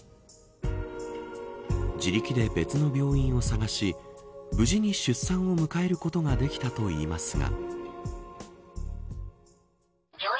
自力で別の病院を探し無事に出産を迎えることができたといいますが。